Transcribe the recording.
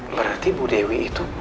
berarti bu dewi itu